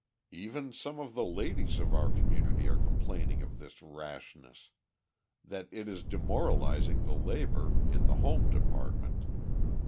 Even some of the ladies of our community are complaining of this rashness. That it is demoralising the labour in the home department.